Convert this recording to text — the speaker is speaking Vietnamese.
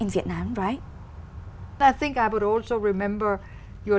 và tôi sẽ nhớ